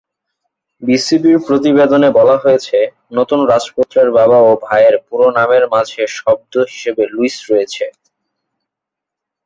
বিবিসির প্রতিবেদনে বলা হয়েছে, নতুন রাজপুত্রের বাবা ও ভাইয়ের পুরো নামের মাঝের শব্দ হিসেবে লুইস রয়েছে।